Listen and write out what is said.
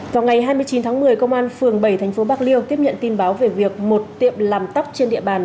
vào ngày hai mươi chín tháng một mươi công an phường bảy tp bạc liêu tiếp nhận tin báo về việc một tiệm làm tóc trên địa bàn